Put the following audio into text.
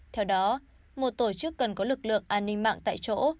theo đó một tổ chức cần có lực lượng an ninh mạng tại chỗ